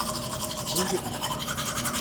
rouge vif.